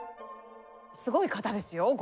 すごい方ですよ。